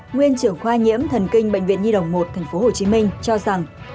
nguyên trưởng khoa nhiễm thần kinh bệnh viện nhi đồng một tp hcm cho rằng